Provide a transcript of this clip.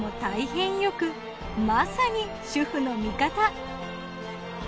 大変よくまさに主婦の味方！